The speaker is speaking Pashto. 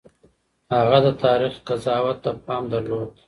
هغه د تاريخ قضاوت ته پام درلود.